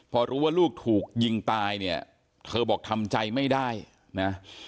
พอรู้ว่าลูกถูกยิงตายเนี่ยเธอบอกทำใจไม่ได้นะ